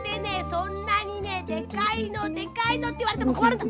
そんなにねでかいのでかいのっていわれてもこまるんだ！